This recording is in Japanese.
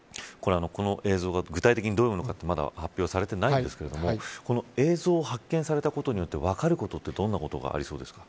この映像が具体的にどういうものかまだ発表されていませんがこの映像が発見されたことによって分かることってどんなことがありそうですか。